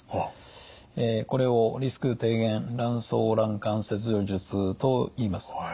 これをリスク低減卵巣卵管切除術といいます。